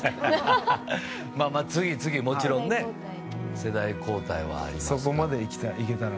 次々、もちろん世代交代はありますから。